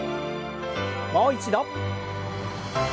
もう一度。